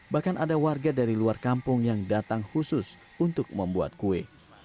bahkan ada warga dari luar kampung yang datang khusus untuk membuat kue